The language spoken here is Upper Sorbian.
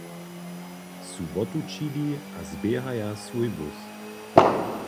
Su wotućili a zběhaja swój hłós.